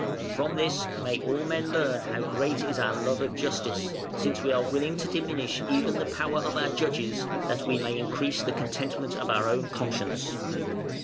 From this may all men learn how great is our love of justice, since we are willing to diminish even the power of our judges, that we may increase the contentment of our own conscience".